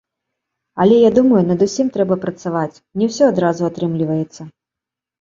Але, я думаю, над усім трэба працаваць, не ўсё адразу атрымліваецца.